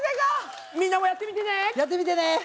みんなもやってみてね！